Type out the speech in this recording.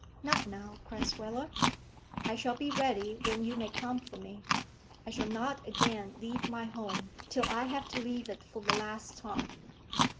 "Not now, Crasweller." "I shall be ready when you may come for me. I shall not again leave my home till I have to leave it for the last time.